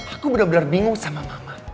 aku bener bener bingung sama mama